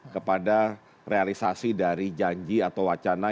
kepada realisasi dari janji atau wacana